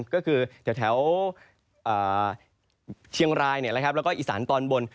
ก็คือจากแถวเชียงรายและอิสานตอนบน